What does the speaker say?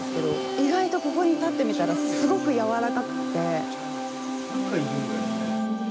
意外と、ここに立ってみたらすごくやわらかくて。